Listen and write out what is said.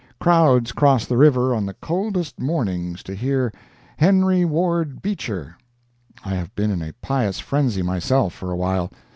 Crowds cross the river on the coldest mornings to hear HENRY WARD BEECHER I have been in a pious frenzy myself for a while.